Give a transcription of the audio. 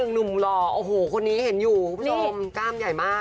หนุ่มหล่อโอ้โหคนนี้เห็นอยู่คุณผู้ชมกล้ามใหญ่มาก